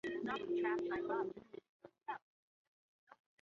别洛鲁科娃六岁时开始练习滑雪。